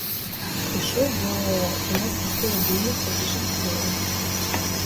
Пішу, бо ў нас бракуе буйных эпічных твораў.